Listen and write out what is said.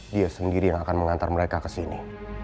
dia sendiri yang akan mengantar mereka kesini